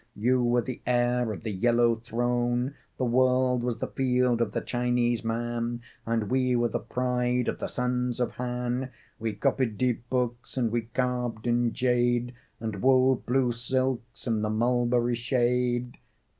You were the heir of the yellow throne The world was the field of the Chinese man And we were the pride of the Sons of Han? We copied deep books and we carved in jade, And wove blue silks in the mulberry shade...."